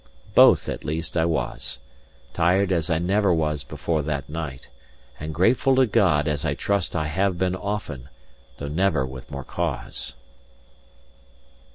Both, at least, I was: tired as I never was before that night; and grateful to God as I trust I have been often, though never with more cause.